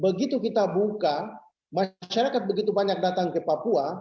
begitu kita buka masyarakat begitu banyak datang ke papua